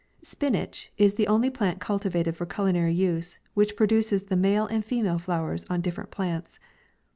SPINACH is the only plant cultivated for culinary use, which produces the male and female flowers on different plants.